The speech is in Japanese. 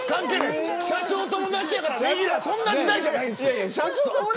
社長友達やからレギュラーってそんな時代じゃないです。